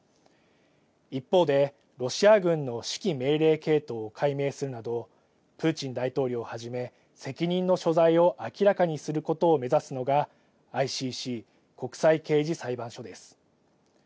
一方で、ロシア軍の指揮命令系統を解明するなど、プーチン大統領はじめ責任の所在を明らかにすることを目指すのが、ＩＣＣ・国際刑事裁判所です。